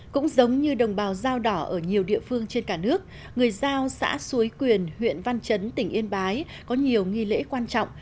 cũng giống như đồng bào dao đỏ ở nhiều địa phương trên cả nước người giao xã suối quyền huyện văn chấn tỉnh yên bái có nhiều nghi lễ quan trọng